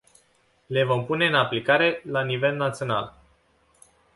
Le vom pune în aplicare la nivel național.